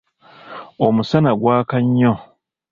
Omusana gwaka nnyo.